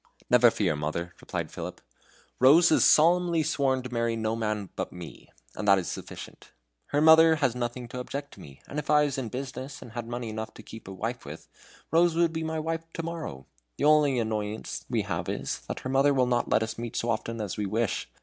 "Never fear, mother," replied Philip; "Rose has solemnly sworn to marry no man but me; and that is sufficient. Her mother has nothing to object to me. And if I was in business and had money enough to keep a wife with, Rose would be my wife to morrow. The only annoyance we have is, that her mother will not let us meet so often as we wish.